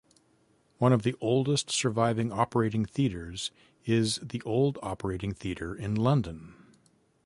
One of the oldest surviving operating theaters is the Old Operating Theatre in London.